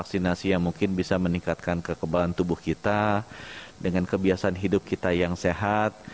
vaksinasi yang mungkin bisa meningkatkan kekebalan tubuh kita dengan kebiasaan hidup kita yang sehat